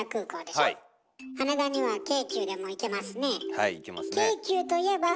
はい行けますね。